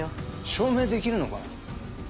証明できるのかな？